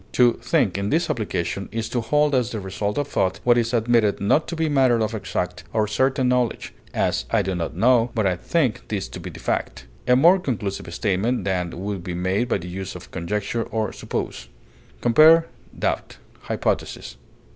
To think, in this application, is to hold as the result of thought what is admitted not to be matter of exact or certain knowledge; as, I do not know, but I think this to be the fact: a more conclusive statement than would be made by the use of conjecture or suppose. Compare DOUBT; HYPOTHESIS.